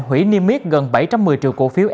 hủy niêm yết gần bảy trăm một mươi triệu cổ phiếu